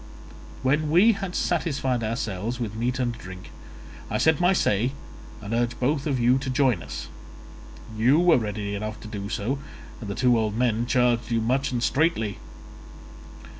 When we had satisfied ourselves with meat and drink, I said my say and urged both of you to join us. You were ready enough to do so, and the two old men charged you much and straitly.